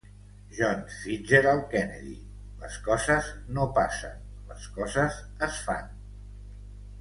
John Fitzgerald Kennedy: les coses no passen, les coses es fan.